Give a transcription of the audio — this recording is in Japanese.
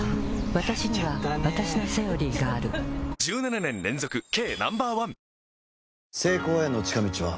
わたしにはわたしの「セオリー」がある１７年連続軽